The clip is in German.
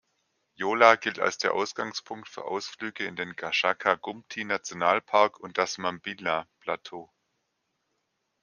Yola gilt als der Ausgangspunkt für Ausflüge in den Gashaka-Gumpti-Nationalpark und das Mambilla-Plateau.